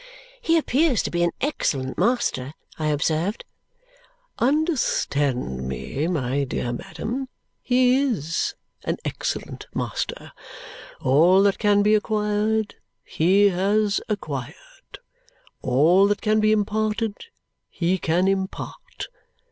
"He appears to be an excellent master," I observed. "Understand me, my dear madam, he IS an excellent master. All that can be acquired, he has acquired. All that can be imparted, he can impart.